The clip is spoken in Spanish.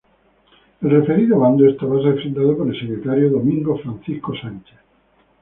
El referido bando estaba refrendado por el secretario Domingo Francisco Sánchez.